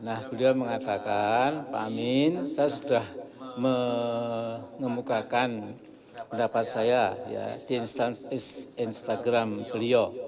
nah beliau mengatakan pak amin saya sudah mengemukakan pendapat saya di instagram beliau